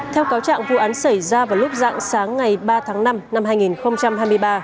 theo cáo trạng vụ án xảy ra vào lúc dạng sáng ngày ba tháng năm năm hai nghìn hai mươi ba